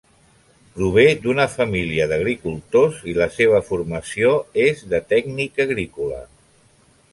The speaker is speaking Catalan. Prové d'una família d'agricultors i la seva formació és de tècnic agrícola.